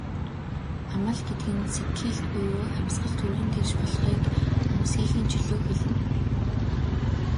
Амал гэдэг нь сэгхийлт буюу амьсгал түргэн тэгш болохыг, амсхийхийн чөлөөг хэлнэ.